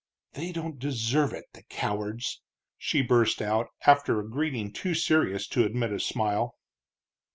"They don't deserve it, the cowards!" she burst out, after a greeting too serious to admit a smile.